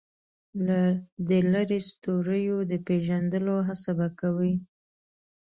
د لرې ستوریو د پېژندلو هڅه به کوي.